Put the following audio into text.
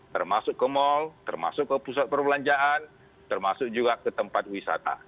termasuk ke mall termasuk ke pusat perbelanjaan termasuk juga ke tempat wisata